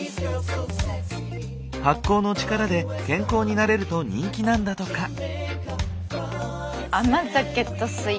発酵の力で健康になれると人気なんだとか。